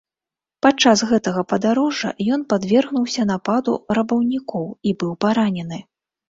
Падчас гэтага падарожжа ён падвергнуўся нападу рабаўнікоў і быў паранены.